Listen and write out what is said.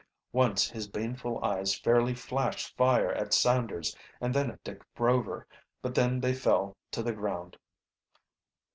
Once his baneful eyes fairly flashed fire at Sanders and then at Dick Rover, but then they fell to the ground.